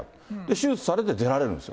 手術されて出られるんです。